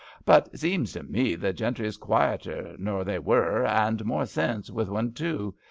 But zems to me the gentry is quieter nor they were, and more sense wi* 'un too.